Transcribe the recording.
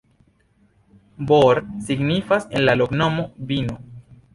Bor signifas en la loknomo: vino.